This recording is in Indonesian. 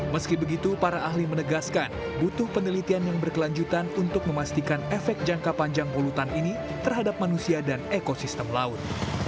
meski begitu para ahli menegaskan butuh penelitian yang berkelanjutan untuk memastikan efek jangka panjang polutan ini terhadap manusia dan ekosistem laut